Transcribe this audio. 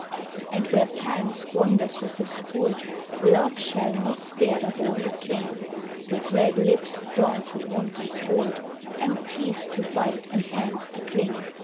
And where Pan squanders with his court, Love shall not spare the horned King, With red lips drawn to wanton sport And teeth to bite and hands to cling.